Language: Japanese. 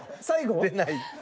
最後？